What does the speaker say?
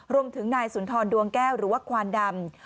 รวมถึงนายสุนทรดวงแก้วหรือว่าควานดำ